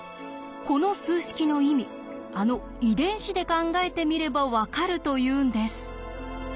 この数式の意味あの遺伝子で考えてみれば分かるというんです。